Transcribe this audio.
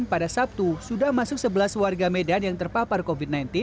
pada sabtu sudah masuk sebelas warga medan yang terpapar covid sembilan belas